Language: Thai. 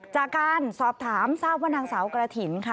จากการสอบถามทราบว่านางสาวกระถิ่นค่ะ